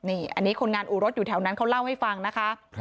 นี่อันนี้คนงานอู่รถอยู่แถวนั้นเขาเล่าให้ฟังนะคะ